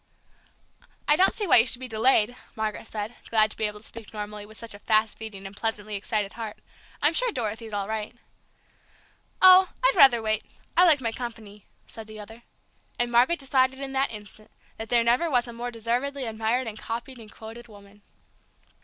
"I don't see why you should be delayed," Margaret said, glad to be able to speak normally, with such a fast beating and pleasantly excited heart. "I'm sure Dorothy's all right." "Oh, I'd rather wait. I like my company," said the other. And Margaret decided in that instant that there never was a more deservedly admired and copied and quoted woman.